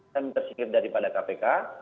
kami tersinggit daripada kpk